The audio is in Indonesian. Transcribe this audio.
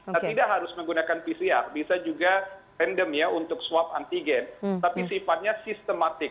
nah tidak harus menggunakan pcr bisa juga random ya untuk swab antigen tapi sifatnya sistematik